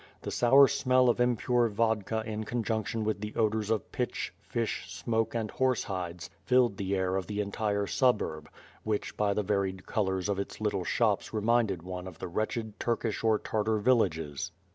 The sour smell of impure vodka in conjunction with the odors of pitch, fish, smoke, and horse hides filled the air of the entire suburb, which by the varied colors of its little 9 1^0 ^^^^'^>'/^^^^^ SWORD. shops reminded one of the wretched Turkish or Tartar vill ages.